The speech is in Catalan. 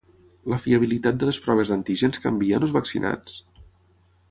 La fiabilitat de les proves d’antígens canvia en els vaccinats?